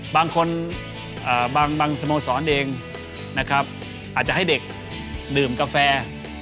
บางคนบางสโมสรเองนะครับอาจจะให้เด็กดื่มกาแฟ